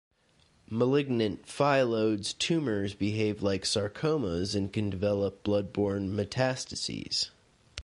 Malignant phyllodes tumours behave like sarcomas and can develop blood-borne metastases.